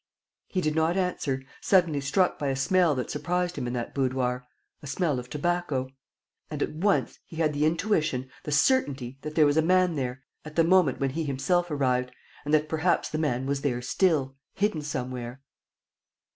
..." He did not answer, suddenly struck by a smell that surprised him in that boudoir, a smell of tobacco. And, at once, he had the intuition, the certainty, that there was a man there, at the moment when he himself arrived, and that perhaps the man was there still, hidden somewhere.